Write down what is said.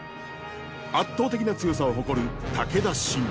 圧倒的な強さを誇る武田信玄。